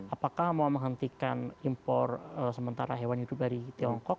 apakah mau menghentikan impor sementara hewan hidup dari tiongkok